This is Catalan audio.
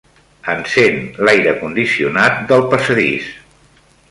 Encén l'aire condicionat del passadís.